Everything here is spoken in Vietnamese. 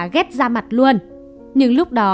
ghét ra mặt luôn nhưng lúc đó